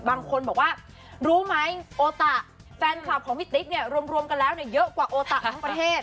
บางคนบอกว่ารู้ไหมโอตะแฟนคลับของพี่ติ๊กเนี่ยรวมกันแล้วเนี่ยเยอะกว่าโอตะทั้งประเทศ